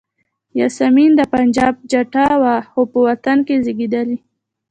یاسمین د پنجاب جټه وه خو په وطن کې زیږېدلې.